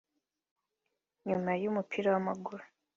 nyuma y’umupira w’amagguru